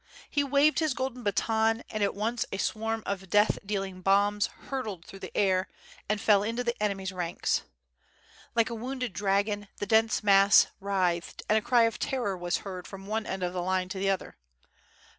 He waved his golden baton and at once a swarm of death dealing bombs hurtled through the air and fell into the enemy's ranks. Like a wounded dragon the dense mass writhed and a cry of terror was heard from one end of the line to the other.